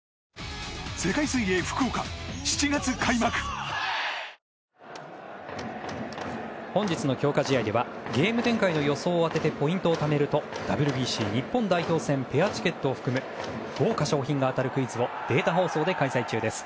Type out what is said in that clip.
この体験をあなたもキリンのクラフトビール「スプリングバレー」から本日の強化試合ではゲーム展開の予想を当ててポイントをためるとＷＢＣ日本代表戦ペアチケットを含む豪華賞品が当たるクイズをデータ放送で開催中です。